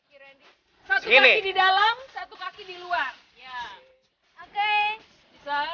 ini di dalam satu kaki di luar ya oke bisa